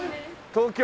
東京。